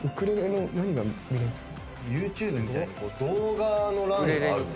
ＹｏｕＴｕｂｅみたいに動画の欄があるんですよ。